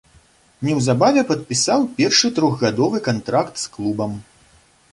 Неўзабаве падпісаў першы трохгадовы кантракт з клубам.